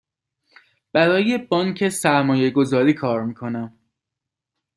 برای بانک سرمایه گذاری کار می کنم.